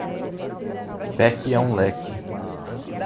Pé que é um leque